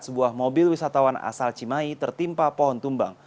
sebuah mobil wisatawan asal cimahi tertimpa pohon tumbang